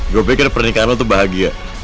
gue pikir pernikahan lo tuh bahagia